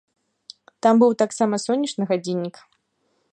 Там быў таксама сонечны гадзіннік.